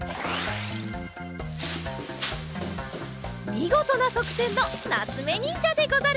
みごとなそくてんのなつめにんじゃでござる。